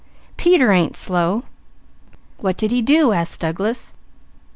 Peter ain't so slow!" "What did he do?" asked Douglas.